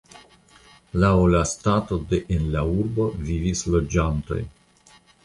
Laŭ la stato de en la urbo vivis loĝantoj.